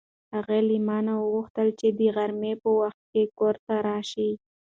هغې له ما نه وغوښتل چې د غرمې په وخت کې کور ته راشه.